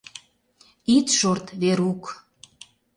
— Ит шорт, Верук...